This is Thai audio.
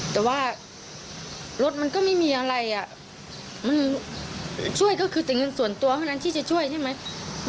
แต่ว่ารถมันก็ไม่มีอะไรอ่ะมันช่วยก็คือแต่เงินส่วนตัวเท่านั้นที่จะช่วยใช่ไหม